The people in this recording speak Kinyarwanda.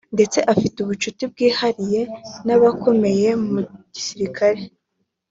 ndetse afitanye ubucuti bwihariye n’abakomeye mu gisirikare